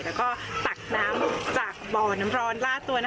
แล้วก็ตักน้ำจากบ่อน้ำร้อนลาดตัว